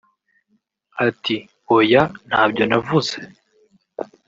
Ati “Oya ntabyo navuze